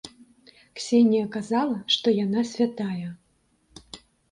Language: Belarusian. Ксенія казала, што яна святая.